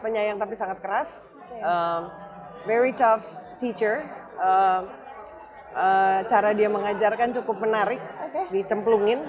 penyayang tapi sangat keras very tour cara dia mengajarkan cukup menarik dicemplungin